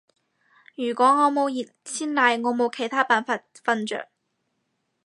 如果我冇熱鮮奶，我冇其他辦法瞓着